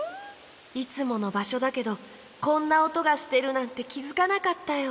いつものばしょだけどこんなおとがしてるなんてきづかなかったよ。